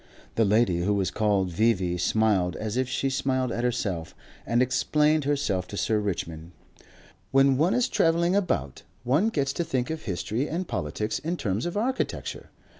The lady who was called V.V. smiled as if she smiled at herself, and explained herself to Sir Richmond. "When one is travelling about, one gets to think of history and politics in terms of architecture.